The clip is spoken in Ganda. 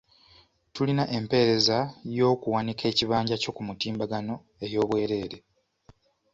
Tulina empeereza y'okuwanika ekibanja kyo ku mutimbagano ey'obwereere.